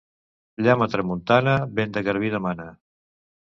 Llamp a tramuntana vent de garbí demana.